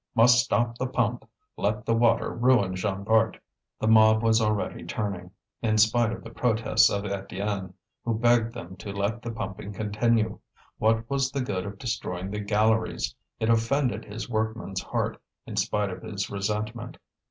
Must stop the pump! Let the water ruin Jean Bart!" The mob was already turning, in spite of the protests of Étienne, who begged them to let the pumping continue. What was the good of destroying the galleries? It offended his workman's heart, in spite of his resentment.